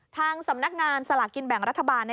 ทางสำนักงานสลากกินแบ่งรัฐบาล